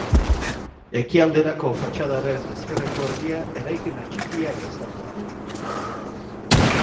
Ekialderako fatxadaren ezkerreko erdia eraikin atxikiak estaltzen du.